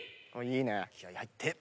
気合入って。